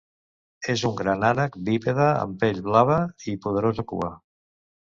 És un gran ànec bípede, amb pell blava i poderosa cua.